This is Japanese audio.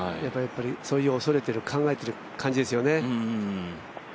それを恐れている、考えている感じですね。